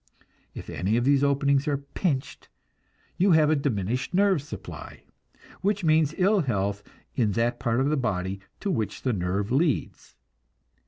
If any of these openings are pinched, you have a diminished nerve supply, which means ill health in that part of the body to which the nerve leads.